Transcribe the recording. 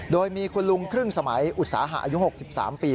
โดยมีคุณลุงครึ่งสมัยอุตสาหะอายุ๖๓ปี